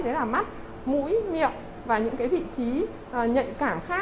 đấy là mắt mũi miệng và những cái vị trí nhạy cảm khác